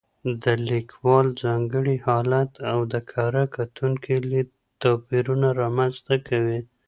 د لیکوال ځانګړی حالت او د کره کتونکي لید توپیرونه رامنځته کوي.